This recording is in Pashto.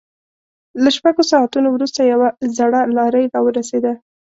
له شپږو ساعتونو وروسته يوه زړه لارۍ را ورسېده.